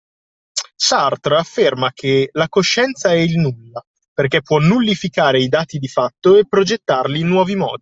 Sartre afferma che “la coscienza è il nulla” perché può nullificare i dati di fatto e progettarli in nuovi modi.